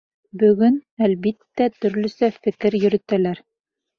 Бөгөн, әлбиттә, төрлөсә фекер йөрөтәләр.